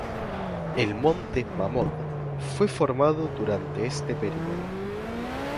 El monte Mammoth fue formado durante este periodo.